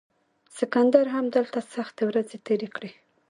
سکندر هم دلته سختې ورځې تیرې کړې